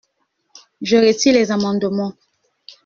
Je retire les amendements.